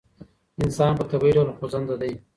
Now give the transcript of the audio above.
انسان په طبعي ډول خوځنده دی.